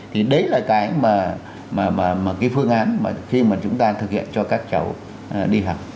thì đấy là cái mà cái phương án mà khi mà chúng ta thực hiện cho các cháu đi học